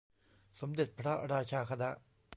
สมเด็จพระราชาคณะ